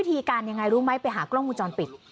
ทีการยังไงรู้ไหมไปหากล้องวงจรปิด